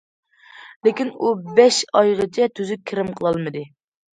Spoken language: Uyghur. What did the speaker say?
لېكىن، ئۇ بەش ئايغىچە تۈزۈك كىرىم قىلالمىدى.